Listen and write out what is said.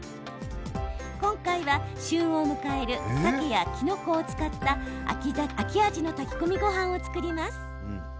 今回は旬を迎えるさけや、きのこを使った秋味の炊き込みごはんを作ります。